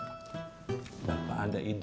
abang mau beli lagi bandeng prestonya